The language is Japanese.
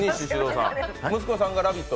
息子さんが「ラヴィット！」